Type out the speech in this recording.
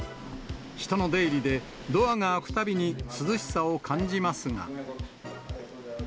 人の出入りで、ドアが開くたびに涼しさを感じますが。